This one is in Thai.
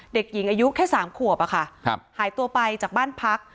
เด็กหญิงอายุแค่๓ขวบอะค่ะหายตัวไปจากบ้านพัก